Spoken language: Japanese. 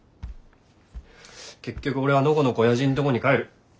結局俺はのこのこおやじんとこに帰る。